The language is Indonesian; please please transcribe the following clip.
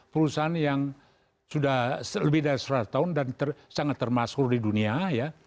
perusahaan yang sudah lebih dari seratus tahun dan sangat termasuk di dunia ya